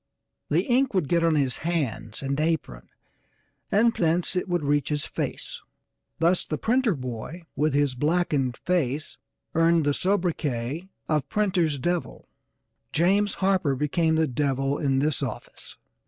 The ink would get on his hands and apron, and thence it would reach his face thus the printer boy with his blackened face earned the sobriquet of 'printer's devil.' James Harper became the 'devil' in this office.